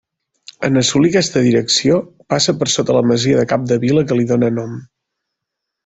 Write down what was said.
En assolir aquesta direcció, passa per sota la masia de Capdevila que li dóna nom.